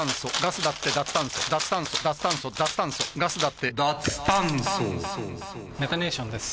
脱炭素脱炭素脱炭素脱炭素ガスだってダ・ツ・タ・ン・ソメタネーションです。